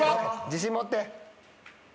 ・自信持って！